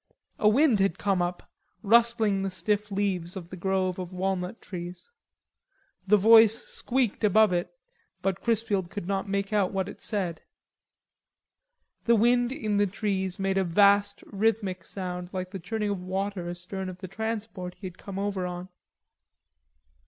A wind had come up, rustling the stiff leaves of the grove of walnut trees. The voice squeaked above it, but Chrisfield could not make out what it said. The wind in the trees made a vast rhythmic sound like the churning of water astern of the transport he had come over on.